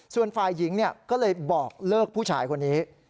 ส่วนฝ่ายหญิงก็เลยบอกเลิกผู้ชายคนนี้